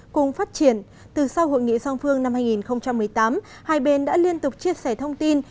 cùng phát triển từ sau hội nghị song phương năm hai nghìn một mươi tám hai bên đã liên tục chia sẻ thông tin